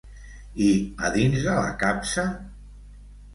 I a dins de la capsa?